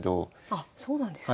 あっそうなんですね。